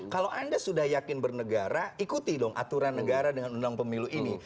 kalau anda sudah yakin bernegara ikuti dong aturan negara dengan undang pemilu ini